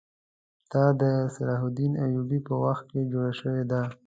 دا د صلاح الدین ایوبي په وخت کې جوړه شوې ده.